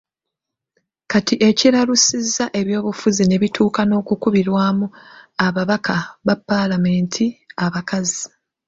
Kati ekiralusizza ebyobufuzi ne bituuka n’okukubirwamu ababaka ba palamenti abakazi.